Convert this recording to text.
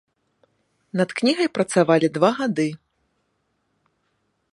Над кнігай працавалі два гады.